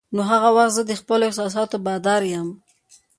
نو هغه وخت زه د خپلو احساساتو بادار یم.